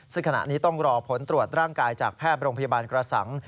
ซึ่งขณะนี้ต้องรอผลตรวจร่างกายจากแพทย์โรงพยาบาลกระสัง